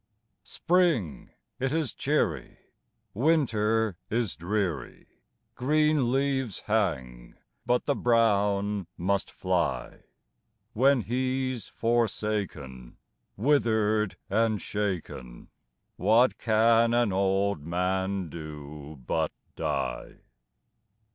Spring it is cheery, Winter is dreary, Green leaves hang, but the brown must fly; When he's forsaken, Wither'd and shaken, What can an old man do but die?